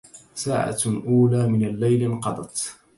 ساعة أولى من الليل انقضت